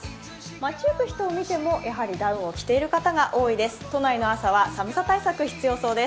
街行く人を見てもやはりダウンを着ている方が多いです。